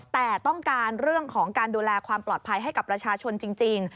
แต่ต้องการเรื่องของการดูแลความปลอดภัยให้กับประชาชนจริง